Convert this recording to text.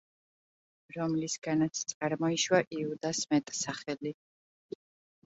რომლისაგანაც წარმოიშვა იუდას მეტსახელი.